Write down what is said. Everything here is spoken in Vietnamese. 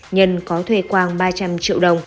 nhân có thuê quang ba trăm linh triệu đồng